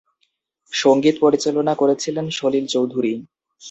সঙ্গীত পরিচালনা করেছিলেন সলিল চৌধুরী।